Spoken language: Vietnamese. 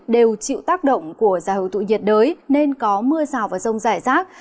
đều chịu tác động của gia hội tụ nhiệt đới nên có mưa rào và rông rải rác